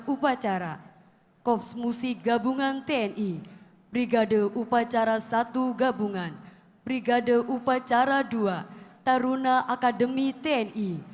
upacara kopsmusi gabungan tni brigade upacara satu gabungan brigade upacara dua taruna akademi tni